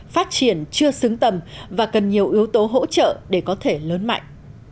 phát triển chưa xứng tầm và cần nhiều yếu tố hỗ trợ để có thể lớn mạnh